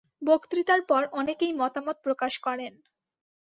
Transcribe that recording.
বক্তৃতার পর অনেকেই মতামত প্রকাশ করেন।